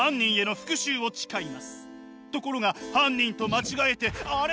ところが犯人と間違えてあれ？